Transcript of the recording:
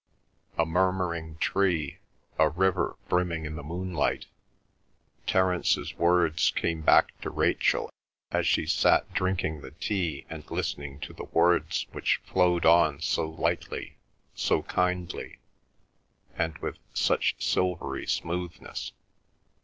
A murmuring tree, a river brimming in the moonlight, Terence's words came back to Rachel as she sat drinking the tea and listening to the words which flowed on so lightly, so kindly, and with such silvery smoothness.